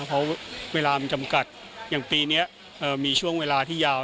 เพราะเวลามันจำกัดอย่างปีนี้มีช่วงเวลาที่ยาว